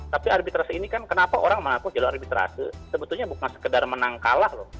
tapi arbitrase ini kan kenapa orang mengaku jalur arbitrase sebetulnya bukan sekedar menang kalah loh